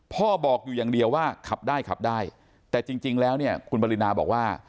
พ่อบอกอยู่อย่างเดียวว่าขับได้ขับได้แต่จริงแล้วเนี่ยคุณปรินาบอกว่า